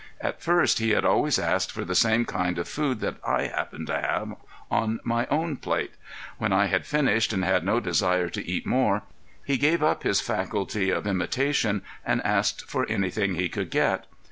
At first he had always asked for the same kind of food that I happened to have on my own plate. When I had finished and had no desire to eat more, he gave up his faculty of imitation and asked for anything he could get.